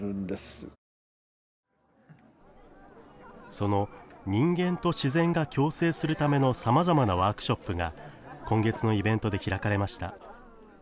その人間と自然が共生するためのさまざまなワークショップが今月のイベントで開かれました。